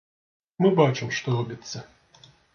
Мы бачым, што робіцца.